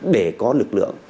để có lực lượng